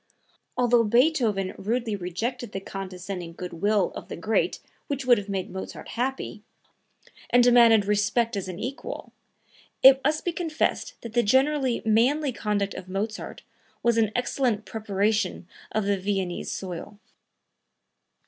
Although Beethoven rudely rejected the condescending good will of the great which would have made Mozart happy, and demanded respect as an equal, it must be confessed that the generally manly conduct of Mozart was an excellent preparation of the Viennese soil.